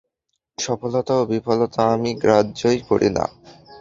সফলতা বা বিফলতা আমি গ্রাহ্যই করি না।